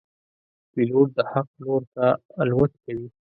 پیلوټ د حق لور ته الوت کوي.